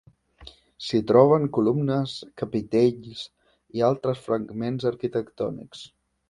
S'hi troben columnes, capitells, i altres fragments arquitectònics.